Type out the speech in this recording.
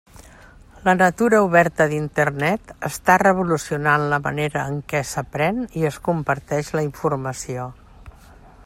La natura oberta d'Internet està revolucionant la manera en què s'aprèn i es comparteix la informació.